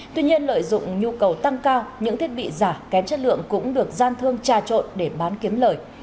tuy nhiên lợi dụng nhu cầu tăng cao những thiết bị giả kém chất lượng cũng được gian thương trà trộn để bán kiếm lời